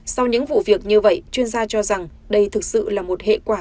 sau những vụ việc như vậy chuyên gia cho rằng đây thực sự là một hệ quả